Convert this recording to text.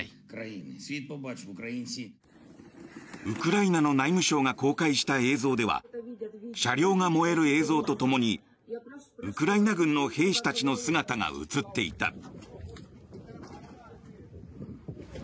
ウクライナの内務省が公開した映像では車両が燃える映像とともにウクライナ軍の兵士たちの姿が映っていた。